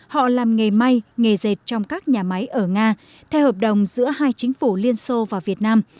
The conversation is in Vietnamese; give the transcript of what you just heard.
họ làm nghề may nghề dệt trong các nhà máy ở nga theo hợp đồng giữa hai chính phủ liên xô và việt nam